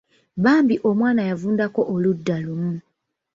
Bambi omwana yavundako oludda lumu.